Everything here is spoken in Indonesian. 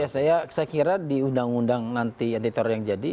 saya kira di undang undang nanti anti teror yang jadi